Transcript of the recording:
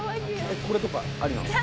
これとかありなんですか？